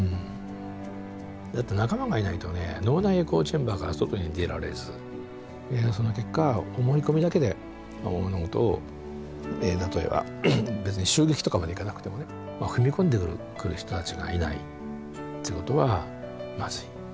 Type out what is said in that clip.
だって仲間がいないとね脳内エコーチェンバーから外に出られずその結果思い込みだけで思うと例えば別に襲撃とかまでいかなくてもね踏み込んでくる人たちがいないってことはまずい。